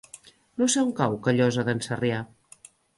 No sé on cau Callosa d'en Sarrià.